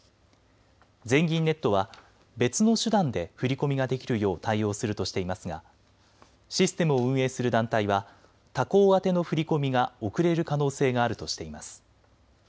全銀ネットは別の手段で振り込みができるよう対応するとしていますがシステムを運営する団体は他行宛ての振り込みが遅れる可能性があるとしています。